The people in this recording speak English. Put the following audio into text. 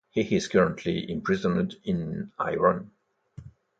He is currently imprisoned in Iran.